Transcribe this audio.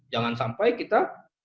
jangan sampai kita